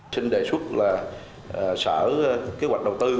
xin đề xuất là sở kế hoạch đầu tư